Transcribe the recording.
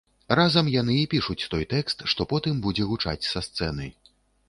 Разам яны і пішуць той тэкст, што потым будзе гучаць са сцэны.